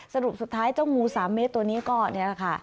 สรุปสุดท้ายเจ้างู๓เมตรตัวนี้ก็นี่แหละค่ะ